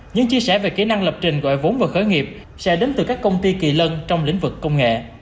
những chia sẻ về kỹ năng lập trình gọi vốn và khởi nghiệp sẽ đến từ các công ty kỳ lân trong lĩnh vực công nghệ